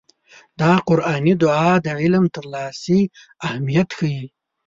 دا قرآني دعا د علم ترلاسي اهميت ښيي.